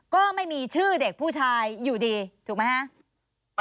ก็ไม่มีชื่อเด็กผู้ชายอยู่ดีถูกไหมฮะ